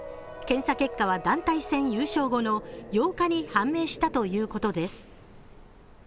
検査結果は団体戦優勝後の８日に判明したということです。